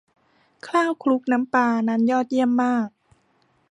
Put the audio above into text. ข้าวคลุกน้ำปลา นั้นยอดเยี่ยมมาก